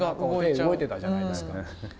動いてたじゃないですか。